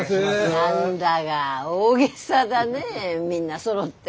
何だが大げさだねみんなそろって。